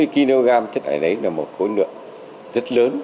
năm mươi kg chất thải đấy là một khối lượng rất lớn